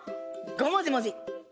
ごもじもじ！